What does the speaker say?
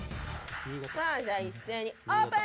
じゃあ、一斉にオープン！